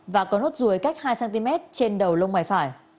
và có nốt ruồi cách hai cm trên đầu lông mày phải